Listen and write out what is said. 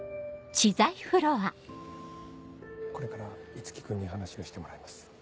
これから五木君に話をしてもらいます。